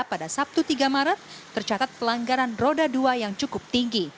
pada sabtu tiga maret tercatat pelanggaran roda dua yang cukup tinggi